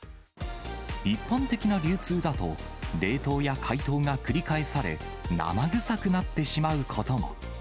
一般的な流通だと、冷凍や解凍が繰り返され、生臭くなってしまうことも。